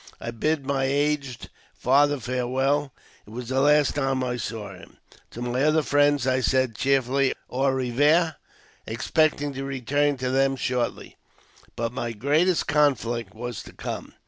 I bid my aged father farewell — it was the last time I saw him. To my other friends I said cheerfully au revoir, expect ing to return to them shortly. But my greatest conflict was to come.